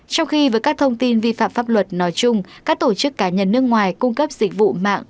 trong khi với các thông tin vi phạm pháp luật nói chung các tổ chức cá nhân nước ngoài cung cấp dịch vụ mạng